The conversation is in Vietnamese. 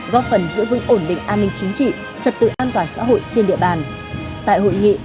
trên địa bàn tại hội nghị